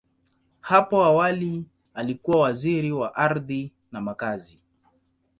Hapo awali, alikuwa Waziri wa Ardhi na Makazi.